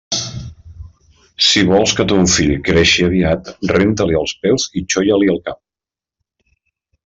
Si vols que ton fill creixi aviat, renta-li els peus i xolla-li el cap.